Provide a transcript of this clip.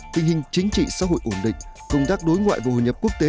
tình hình chính trị xã hội ổn định công tác đối ngoại và hội nhập quốc tế